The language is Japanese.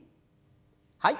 はい。